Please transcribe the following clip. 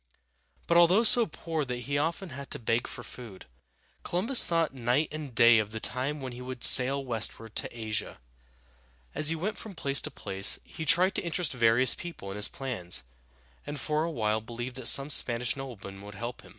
But although so poor that he often had to beg food, Columbus thought night and day of the time when he would sail westward to Asia. As he went from place to place, he tried to interest various people in his plans, and for a while believed that some Spanish noblemen would help him.